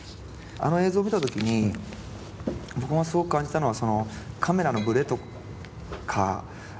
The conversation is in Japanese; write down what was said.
あの映像を見た時に僕もすごく感じたのはカメラのブレとか。